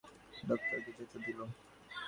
জন্তুটাকে যেতে দিন!